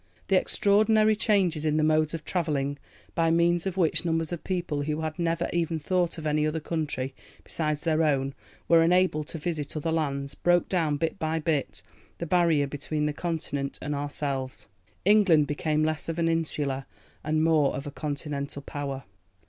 The extraordinary changes in the modes of travelling, by means of which numbers of people who had never even thought of any other country beside their own, were enabled to visit other lands, broke down, bit by bit, the barrier between the Continent and ourselves. England became less of an insular and more of a continental power.